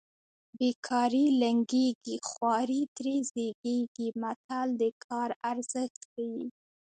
بې کاري لنګېږي خواري ترې زېږېږي متل د کار ارزښت ښيي